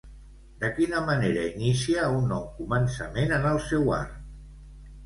De quina manera inicia un nou començament en el seu art?